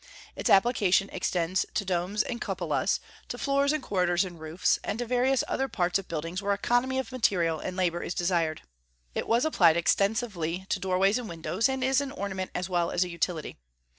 Its application extends to domes and cupolas, to floors and corridors and roofs, and to various other parts of buildings where economy of material and labor is desired. It was applied extensively to doorways and windows, and is an ornament as well as a utility.